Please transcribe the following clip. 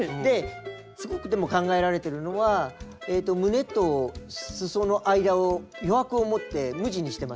すごくでも考えられてるのは胸とすその間を余白をもって無地にしてますよね。